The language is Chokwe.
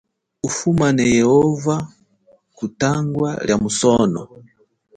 Ufumane yehova kutangwa lia musono.